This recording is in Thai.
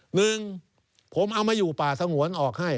หนึ่งผมเอามาอยู่ป่าสงวนออกให้